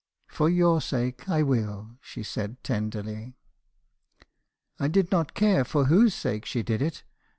" 'For your sake, I will,' said she tenderly. "I did not care for whose sake she did it.